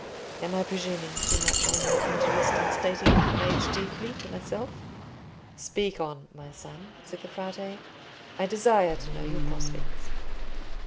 Am I presuming too much on your interest in stating what relates chiefly to myself?" "Speak on, my son," said the Frate; "I desire to know your prospects."